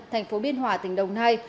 thành phố biên hòa tỉnh đồng nai